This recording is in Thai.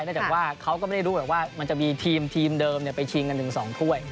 จากว่าเขาก็ไม่ได้รู้หรอกว่ามันจะมีทีมเดิมไปชิงกันถึง๒ถ้วย